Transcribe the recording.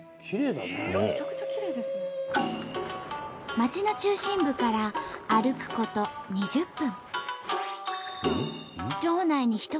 町の中心部から歩くこと２０分。